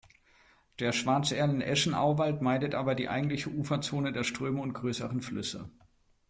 Der Schwarzerlen-Eschen-Auwald meidet aber die eigentliche Uferzone der Ströme und größeren Flüsse.